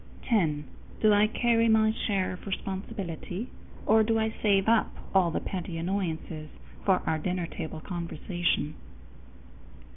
_10. Do I carry my share of responsibility, or do I save up all the petty annoyances for our dinner table conversation?